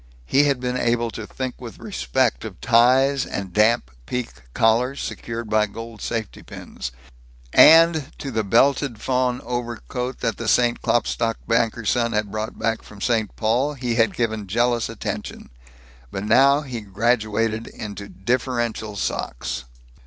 He had been able to think with respect of ties and damp piqué collars secured by gold safety pins; and to the belted fawn overcoat that the St. Klopstock banker's son had brought back from St. Paul, he had given jealous attention. But now he graduated into differential socks.